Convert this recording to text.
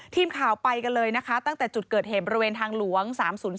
ทีมข่าวไปกันเลยนะคะตั้งแต่จุดเกิดเหตุบริเวณทางหลวง๓๐๔